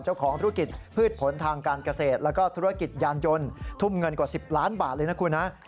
เจ้าของธุรกิจพืชผลทางการเกษตรแล้วก็ธุรกิจยานยนต์ทุ่มเงินกว่า๑๐ล้านบาทเลยนะคุณฮะ